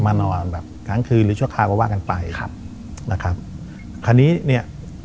นอนแบบกลางคืนหรือชั่วคราวก็ว่ากันไปครับนะครับคราวนี้เนี้ย